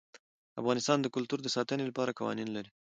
افغانستان د کلتور د ساتنې لپاره قوانین لري.